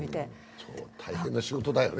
大変な仕事だよね。